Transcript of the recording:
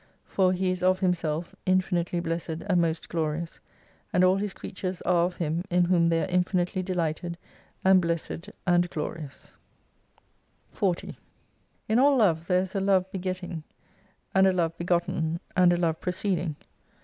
For He is of Himself, Infinitely Blessed and most Glorious ; and all His creatures are of Him, in whom they are infinitely delighted and Blessed and Glorious, 109 40 In all Love there is a love begetting, and a love begotten, and a love proceeding.